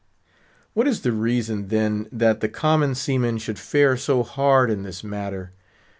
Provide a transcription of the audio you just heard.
What is the reason, then, that the common seamen should fare so hard in this matter?